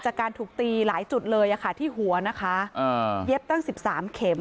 จากการถูกตีหลายจุดเลยค่ะที่หัวนะคะเย็บตั้ง๑๓เข็ม